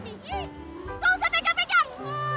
kau juga pegang pegang aku